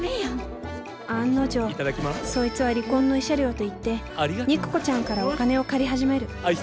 案の定そいつは離婚の慰謝料と言って肉子ちゃんからお金を借り始める。